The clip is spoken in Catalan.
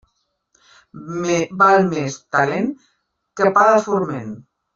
Val més talent que pa de forment.